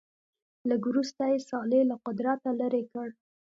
لږ وروسته یې صالح له قدرته لیرې کړ.